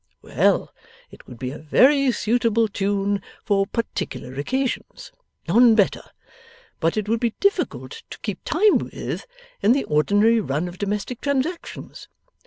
Well. It would be a very suitable tune for particular occasions none better but it would be difficult to keep time with in the ordinary run of domestic transactions.